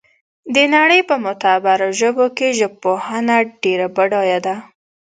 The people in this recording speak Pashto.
د نړۍ په معتبرو ژبو کې ژبپوهنه ډېره بډایه ده